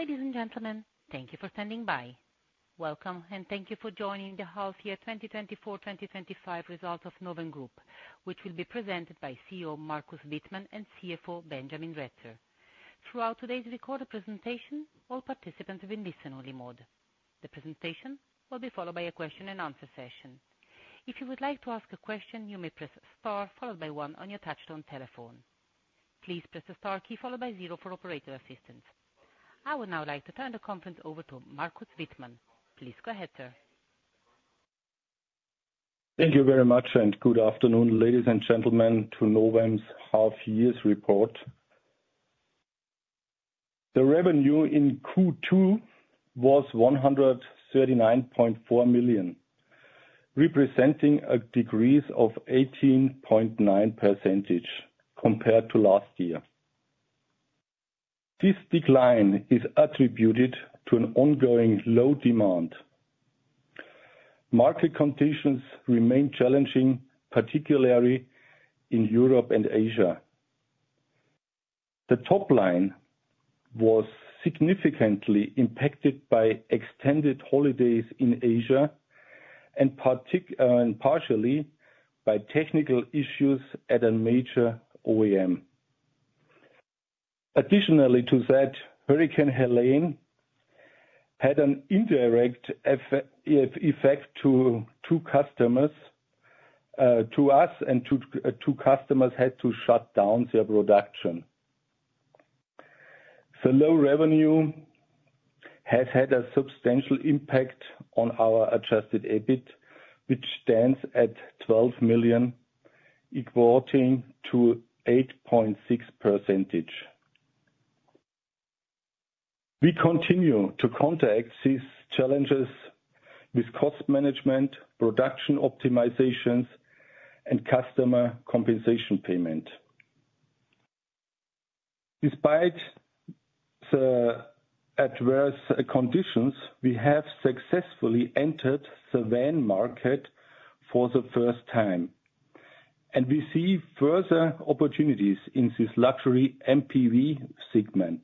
Ladies and gentlemen, thank you for standing by. Welcome, and thank you for joining the Half-Year 2024-2025 Results of Novem Group, which will be presented by CEO Markus Wittmann and CFO Benjamin Retzer. Throughout today's recorded presentation, all participants will be in listen-only mode. The presentation will be followed by a question and answer session. If you would like to ask a question, you may press Star followed by 1 on your touchtone telephone. Please press the Star key followed by 0 for operator assistance. I would now like to turn the conference over to Markus Wittmann. Please go ahead, sir. Thank you very much, and good afternoon, ladies and gentlemen, to Novem's half-year report. The revenue in Q2 was 139.4 million, representing a decrease of 18.9% compared to last year. This decline is attributed to an ongoing low demand. Market conditions remain challenging, particularly in Europe and Asia. The top line was significantly impacted by extended holidays in Asia and partially by technical issues at a major OEM. Additionally to that, Hurricane Helene had an indirect effect to two customers to us, and two customers had to shut down their production. The low revenue has had a substantial impact on our Adjusted EBIT, which stands at 12 million, equating to 8.6%. We continue to counteract these challenges with cost management, production optimizations, and customer compensation payment. Despite the adverse conditions, we have successfully entered the van market for the first time, and we see further opportunities in this luxury MPV segment.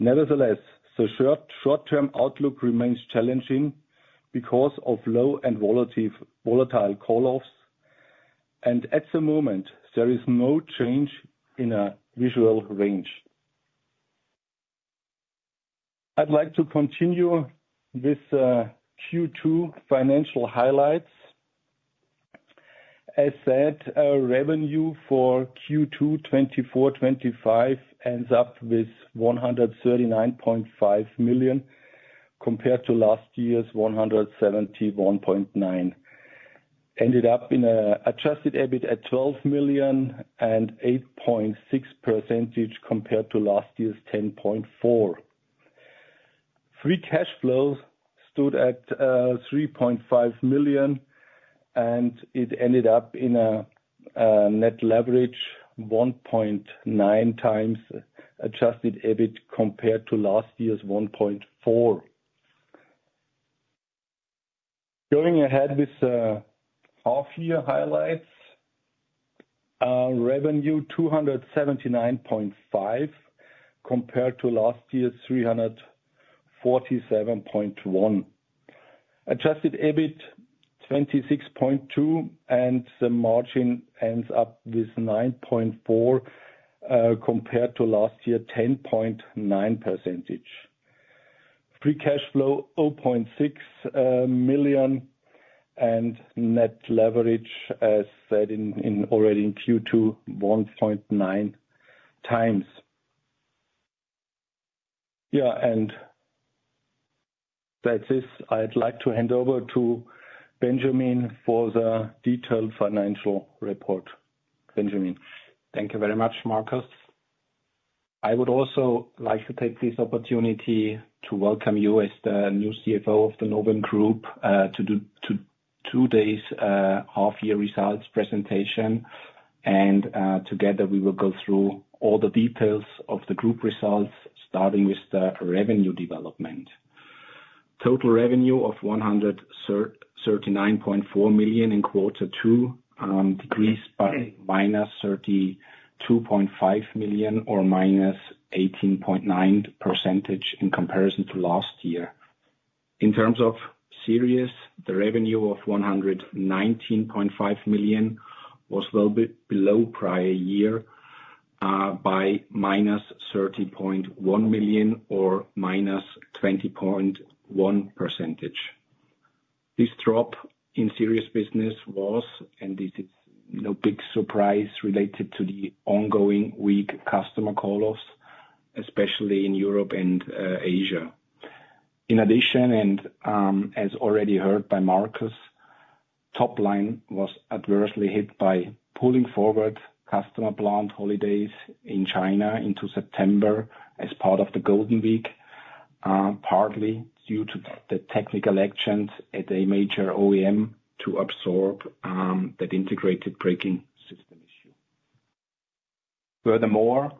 Nevertheless, the short-term outlook remains challenging because of low and volatile call-offs, and at the moment, there is no change in the visible range. I'd like to continue with Q2 financial highlights. As said, our revenue for Q2 2024-25 ends up with 139.5 million, compared to last year's 171.9 million. Ended up with an Adjusted EBIT at 12 million and 8.6%, compared to last year's 10.4%. Free cash flow stood at 3.5 million, and it ended up with a net leverage 1.9 times Adjusted EBIT compared to last year's 1.4. Going ahead with half year highlights, our revenue 279.5 million, compared to last year's 347.1 million. Adjusted EBIT 26.2 million, and the margin ends up with 9.4%, compared to last year 10.9%. Free cash flow 0.6 million, and net leverage, as said already in Q2, 1.9x. Yeah, and that's it. I'd like to hand over to Benjamin for the detailed financial report. Benjamin? Thank you very much, Markus. I would also like to take this opportunity to welcome you as the new CFO of the Novem Group to today's half year results presentation, and together, we will go through all the details of the group results, starting with the revenue development. Total revenue of 139.4 million in quarter two decreased by 32.5 million or 18.9% in comparison to last year. In terms of Series, the revenue of 119.5 million was a little bit below prior year by 30.1 million or 20.1%. This drop in Series business was, and this is no big surprise, related to the ongoing weak customer call-offs, especially in Europe and Asia. In addition, and, as already heard by Markus, top line was adversely hit by pulling forward customer plant holidays in China into September as part of the Golden Week, partly due to the technical actions at a major OEM to absorb that integrated braking system issue. Furthermore,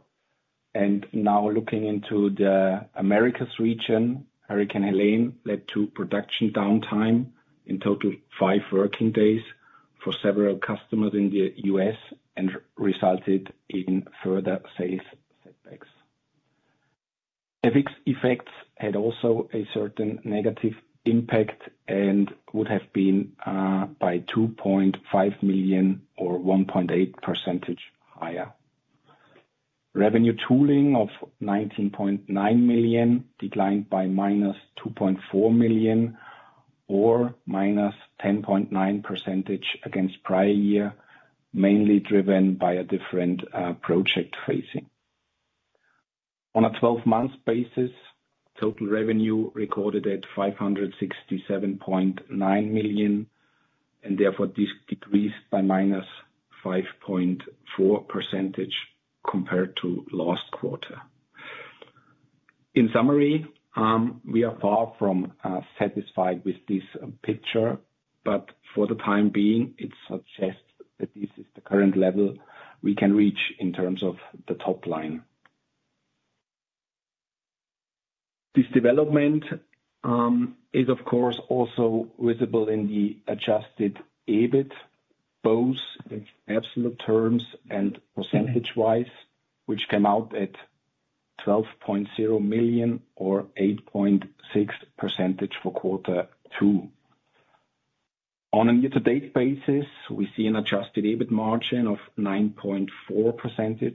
and now looking into the Americas region, Hurricane Helene led to production downtime, in total, five working days for several customers in the U.S. and resulted in further sales setbacks. FX effects had also a certain negative impact, and would have been by 2.5 million or 1.8% higher. Revenue Tooling of 19.9 million declined by minus 2.4 million, or minus 10.9% against prior year, mainly driven by a different project phasing. On a twelve-month basis, total revenue recorded at 567.9 million, and therefore this decreased by -5.4% compared to last quarter. In summary, we are far from satisfied with this picture, but for the time being, it suggests that this is the current level we can reach in terms of the top line. This development is of course also visible in the Adjusted EBIT, both in absolute terms and percentage-wise, which came out at 12.0 million or 8.6% for quarter two. On a year-to-date basis, we see an Adjusted EBIT margin of 9.4%,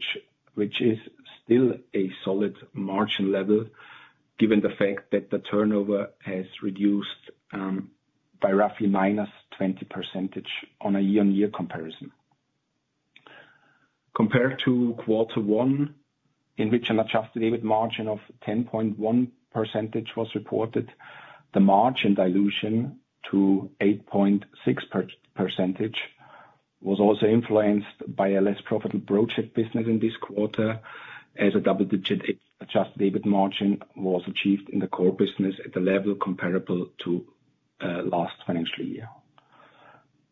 which is still a solid margin level, given the fact that the turnover has reduced by roughly -20% on a year-on-year comparison. Compared to quarter one, in which an Adjusted EBIT margin of 10.1% was reported, the margin dilution to 8.6% was also influenced by a less profitable project business in this quarter, as a double-digit Adjusted EBIT margin was achieved in the core business at a level comparable to last financial year.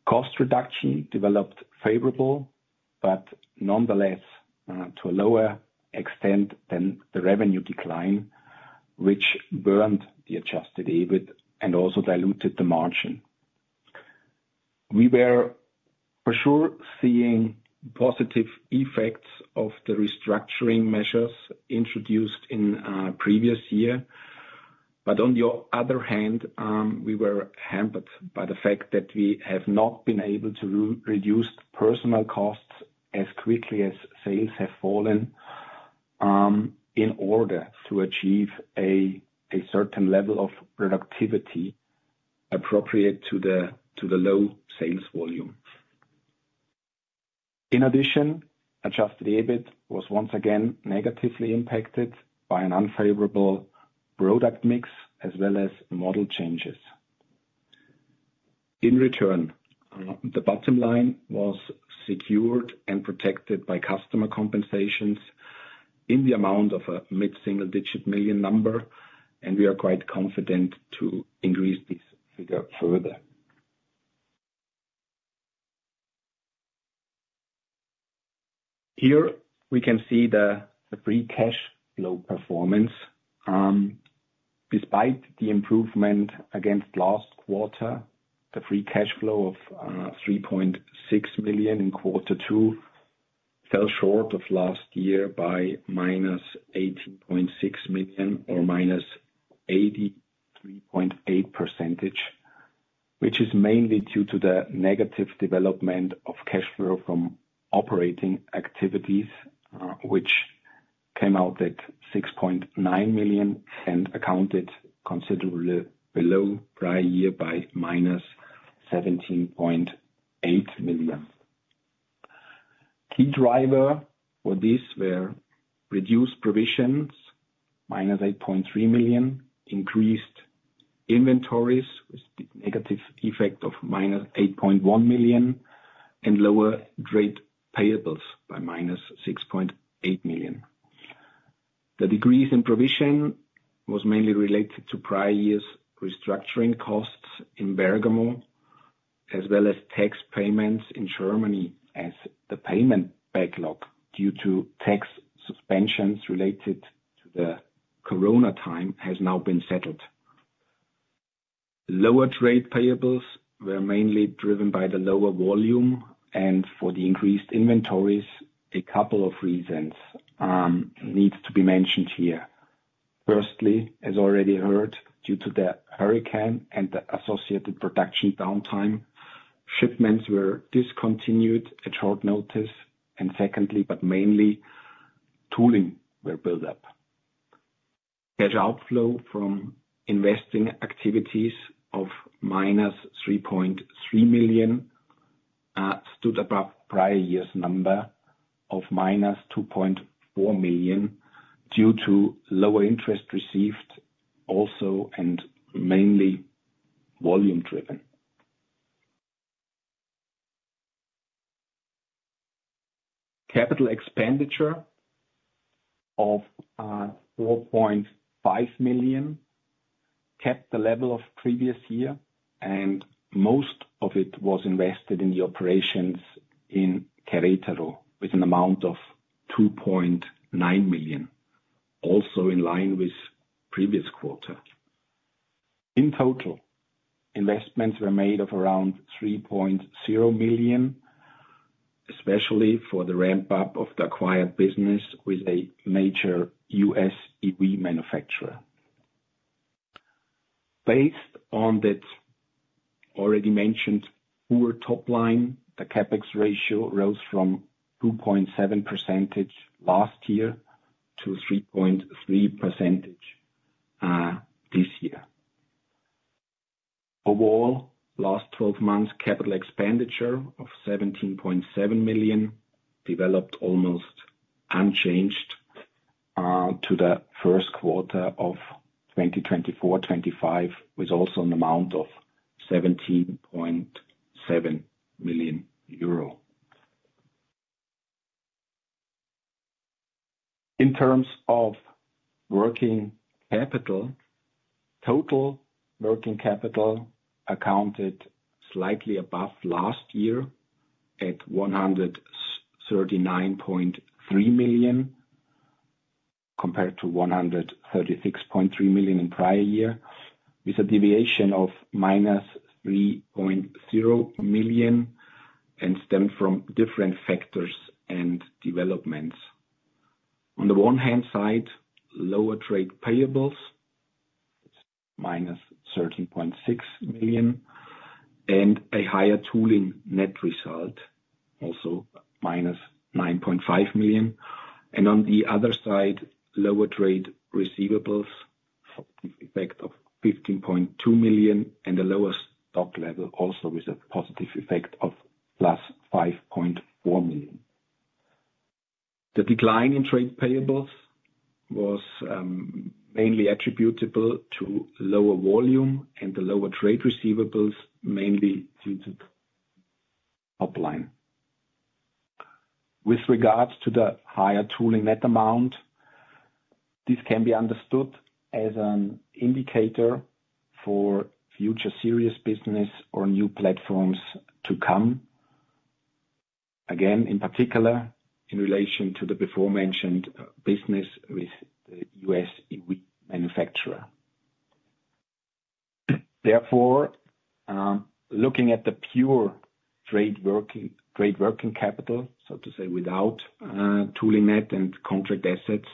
Cost reduction developed favorably, but nonetheless, to a lower extent than the revenue decline, which burned the Adjusted EBIT and also diluted the margin. We were for sure seeing positive effects of the restructuring measures introduced in previous year, but on the other hand, we were hampered by the fact that we have not been able to reduce personnel costs as quickly as sales have fallen, in order to achieve a certain level of productivity appropriate to the low sales volume. In addition, Adjusted EBIT was once again negatively impacted by an unfavorable product mix, as well as model changes. In return, the bottom line was secured and protected by customer compensations in the amount of a mid-single digit million number, and we are quite confident to increase this figure further. Here, we can see the Free Cash Flow performance. Despite the improvement against last quarter, the Free Cash Flow of 3.6 million in quarter two fell short of last year by -18.6 million or -83.8%, which is mainly due to the negative development of cash flow from operating activities, which came out at 6.9 million and accounted considerably below prior year by -17.8 million. Key driver for this were reduced provisions, -8.3 million, increased inventories, with negative effect of -8.1 million, and lower trade payables by -6.8 million. The decrease in provision was mainly related to prior years' restructuring costs in Bergamo, as well as tax payments in Germany, as the payment backlog due to tax suspensions related to the Corona time, has now been settled. Lower trade payables were mainly driven by the lower volume, and for the increased inventories, a couple of reasons, needs to be mentioned here. Firstly, as already heard, due to the hurricane and the associated production downtime, shipments were discontinued at short notice. Secondly, but mainly, tooling were built up. Cash outflow from investing activities of -3.3 million stood above prior year's number of -2.4 million, due to lower interest received also and mainly volume driven. Capital expenditure of 4.5 million kept the level of previous year, and most of it was invested in the operations in Querétaro, with an amount of 2.9 million, also in line with previous quarter. In total, investments were made of around 3.0 million, especially for the ramp up of the acquired business with a major US EV manufacturer. Based on that already mentioned poor top line, the CapEx ratio rose from 2.7% last year to 3.3% this year. Overall, last 12 months, CapEx of 17.7 million developed almost unchanged to the Q1 of 2024/25, with also an amount of 17.7 million euro. In terms of working capital, total working capital accounted slightly above last year, at 139.3 million, compared to 136.3 million in prior year, with a deviation of -3.0 million, and stemmed from different factors and developments. On the one hand side, lower trade payables, -13.6 million, and a higher tooling net result, also -9.5 million. On the other side, lower trade receivables, effect of 15.2 million, and a lower stock level, also with a positive effect of 5.4 million. The decline in trade payables was mainly attributable to lower volume, and the lower trade receivables, mainly due to top line. With regards to the higher tooling net amount, this can be understood as an indicator for future series business or new platforms to come. Again, in particular, in relation to the aforementioned business with the U.S. EV manufacturer. Therefore, looking at the pure trade working capital, so to say, without tooling net and contract assets,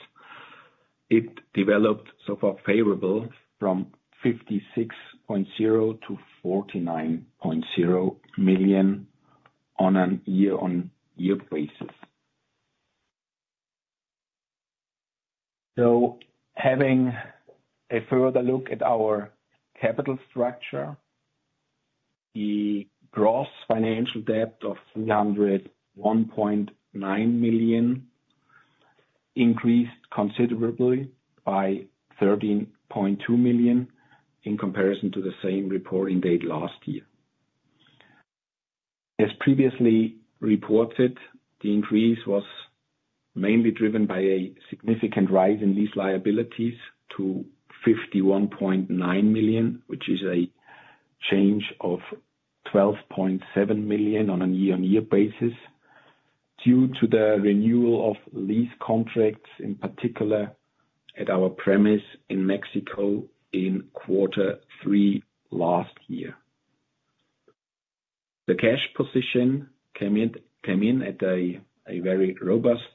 it developed so far favorable from 56.0 million to 49.0 million on a year-on-year basis. Having a further look at our capital structure, the gross financial debt of 301.9 million increased considerably by 13.2 million in comparison to the same reporting date last year. As previously reported, the increase was mainly driven by a significant rise in lease liabilities to 51.9 million, which is a change of 12.7 million on a year-on-year basis, due to the renewal of lease contracts, in particular at our premise in Mexico in quarter three last year. The cash position came in at a very robust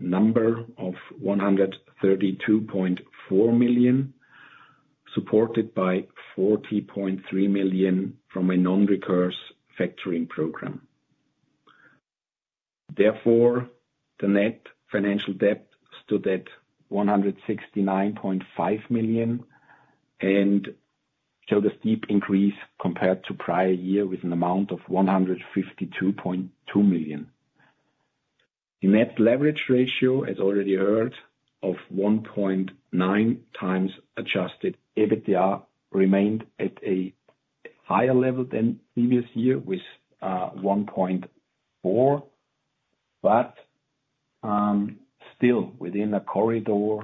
number of 132.4 million, supported by 40.3 million from a non-recourse factoring program. Therefore, the net financial debt stood at 169.5 million, and showed a steep increase compared to prior year, with an amount of 152.2 million. The Net Leverage Ratio, as already heard, of 1.9 times Adjusted EBITDA, remained at a higher level than previous year, with one point four, but still within a corridor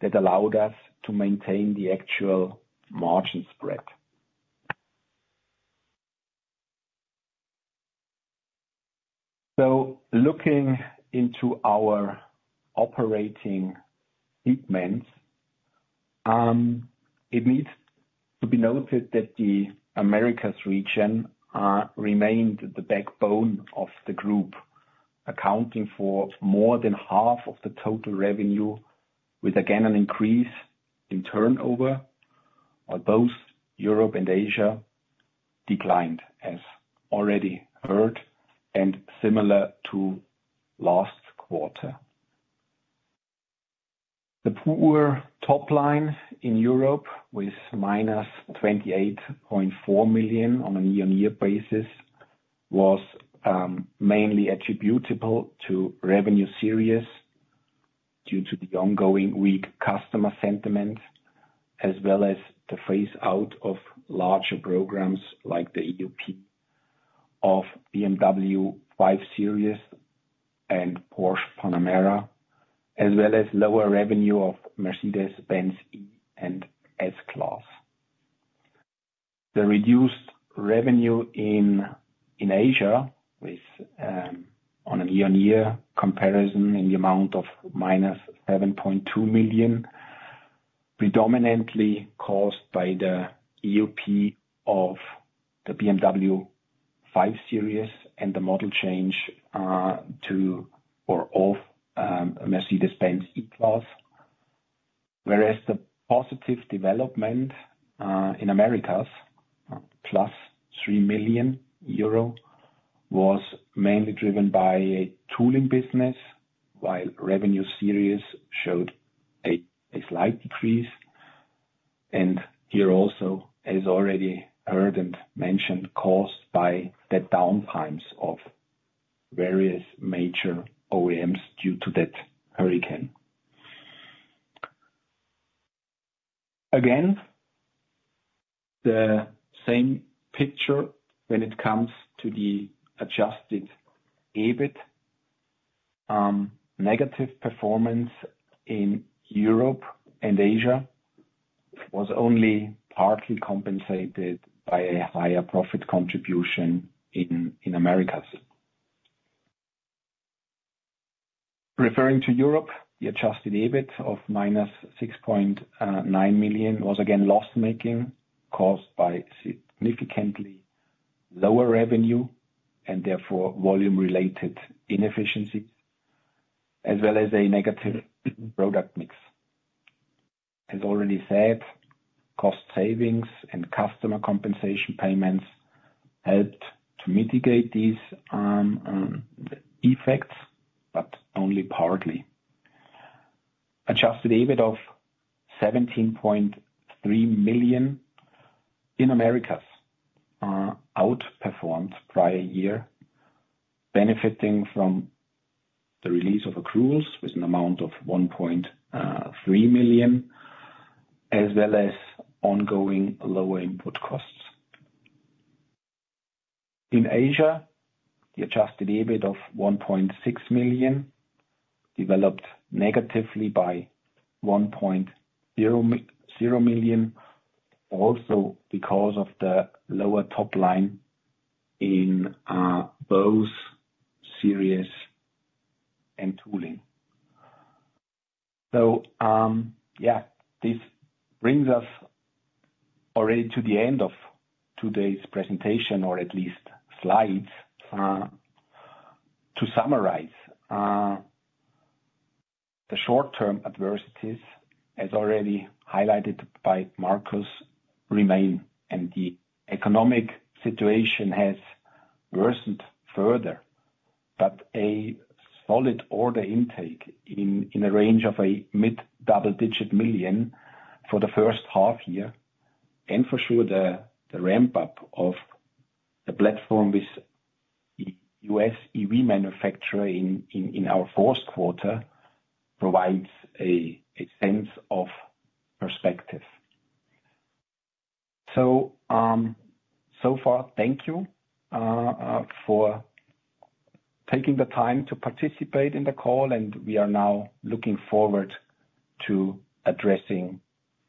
that allowed us to maintain the actual margin spread. Looking into our operating segments, it needs to be noted that the Americas region remained the backbone of the group, accounting for more than half of the total revenue, with again an increase in turnover, while both Europe and Asia declined, as already heard, and similar to last quarter. The poor top line in Europe, with -28.4 million on a year-on-year basis, was mainly attributable to series revenue due to the ongoing weak customer sentiment, as well as the phase-out of larger programs like the EOP of BMW 5 Series and Porsche Panamera, as well as lower revenue of Mercedes-Benz E-Class and S-Class. The reduced revenue in Asia with on a year-on-year comparison in the amount of -7.2 million, predominantly caused by the EOP of the BMW 5 Series and the model change of a Mercedes-Benz E-Class. Whereas the positive development in Americas, +3 million euro, was mainly driven by tooling business, while series revenue showed a slight decrease. Here also, as already heard and mentioned, caused by the downtimes of various major OEMs due to that hurricane. Again, the same picture when it comes to the Adjusted EBIT, negative performance in Europe and Asia was only partly compensated by a higher profit contribution in Americas. Referring to Europe, the Adjusted EBIT of -6.9 million was again loss-making, caused by significantly lower revenue and therefore volume-related inefficiency, as well as a negative product mix. As already said, cost savings and customer compensation payments helped to mitigate these effects, but only partly. Adjusted EBIT of 17.3 million in Americas outperformed prior year, benefiting from the release of accruals with an amount of 1.3 million, as well as ongoing lower input costs. In Asia, the Adjusted EBIT of 1.6 million developed negatively by 1.0 million, also because of the lower top line in both series and tooling. So, yeah, this brings us already to the end of today's presentation, or at least slides. To summarize, the short-term adversities, as already highlighted by Markus, remain, and the economic situation has worsened further. A solid order intake in a range of a mid-double-digit million EUR for the first half year, and for sure, the ramp-up of the platform with US EV manufacturer in our Q4, provides a sense of perspective. So, so far, thank you for taking the time to participate in the call, and we are now looking forward to addressing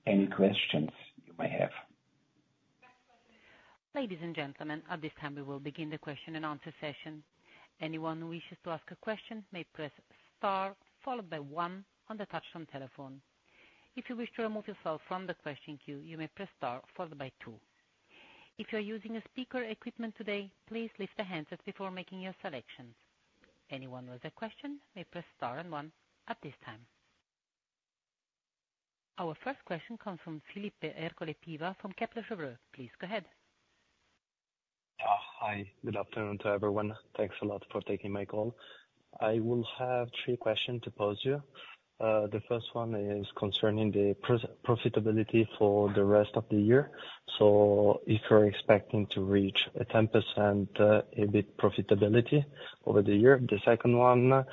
any questions you may have. Ladies and gentlemen, at this time, we will begin the question and answer session. Anyone who wishes to ask a question may press star, followed by one on the touchtone telephone. If you wish to remove yourself from the question queue, you may press star, followed by two. If you're using speaker equipment today, please lift the handset before making your selections. Anyone with a question may press star and one at this time. Our first question comes from Philipp Piva from Kepler Cheuvreux. Please go ahead. Hi, good afternoon to everyone. Thanks a lot for taking my call. I will have three questions to pose you. The first one is concerning the profitability for the rest of the year. If you're expecting to reach a 10% EBIT profitability over the year? The second one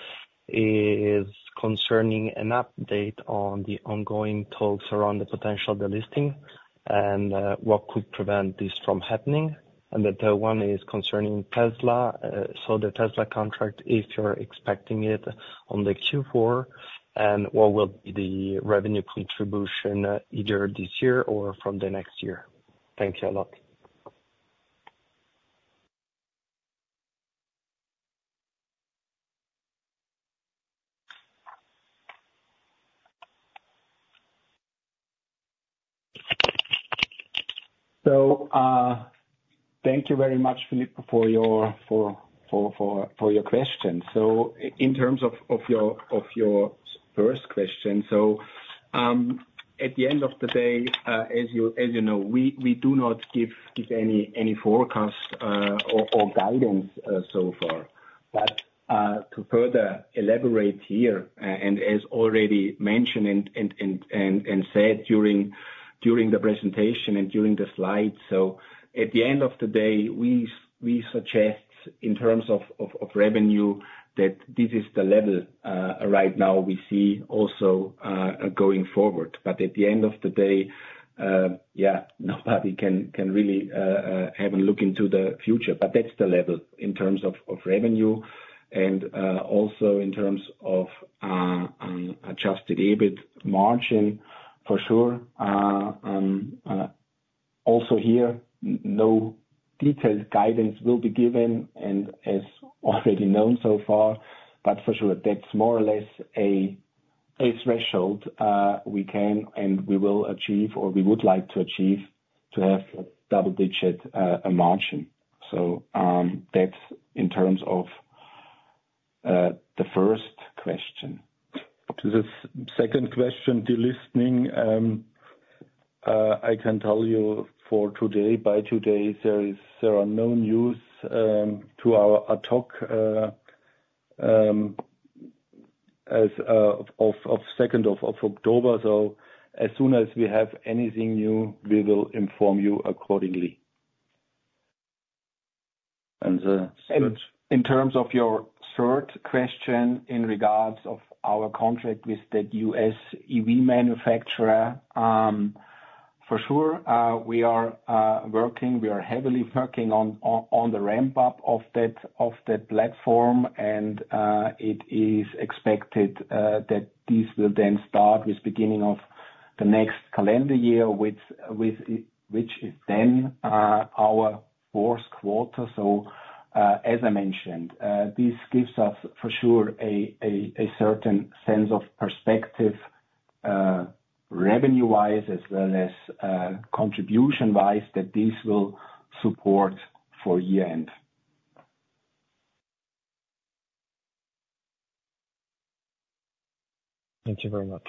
is concerning an update on the ongoing talks around the potential delisting, and what could prevent this from happening? And the third one is concerning Tesla. The Tesla contract, if you're expecting it on the Q4, and what will be the revenue contribution, either this year or from the next year? Thank you a lot. So, thank you very much, Filippo, for your questions. In terms of your first question, so, at the end of the day, as you know, we do not give any forecast or guidance so far. To further elaborate here, and as already mentioned and said during the presentation and during the slides, so at the end of the day, we suggest, in terms of revenue, that this is the level right now we see also going forward. At the end of the day, yeah, nobody can really have a look into the future. But that's the level in terms of revenue and also in terms of Adjusted EBIT margin, for sure. Also here, no detailed guidance will be given, and as already known so far, but for sure, that's more or less a threshold we can and we will achieve, or we would like to achieve, to have a double-digit margin. That's in terms of the first question. To the second question, delisting, I can tell you for today, by today, there is, there are no news to our talk, as of second of October. As soon as we have anything new, we will inform you accordingly. And, third- And in terms of your third question in regards of our contract with that U.S. EV manufacturer, for sure, we are heavily working on the ramp up of that platform. It is expected that this will then start with beginning of the next calendar year, which is then our Q4. As I mentioned, this gives us, for sure, a certain sense of perspective, revenue-wise, as well as contribution-wise, that this will support for year end. Thank you very much.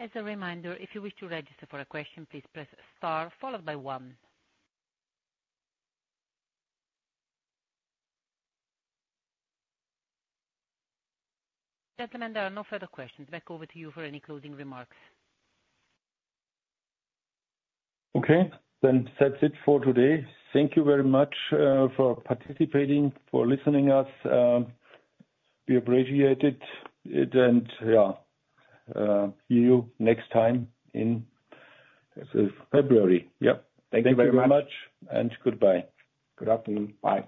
As a reminder, if you wish to register for a question, please press star followed by one. Gentlemen, there are no further questions. Back over to you for any closing remarks. Okay, then that's it for today. Thank you very much for participating, for listening us, we appreciate it. Yeah, see you next time in February. Yep. Thank you very much. Thank you very much, and goodbye. Good afternoon. Bye.